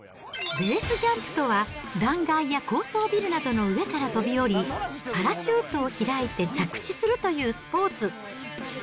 ベースジャンプとは、断崖や高層ビルなどの上から飛び降り、パラシュートを開いて着地するというスポーツ。